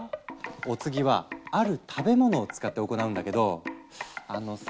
お次は「ある食べ物」を使って行うんだけどあのさ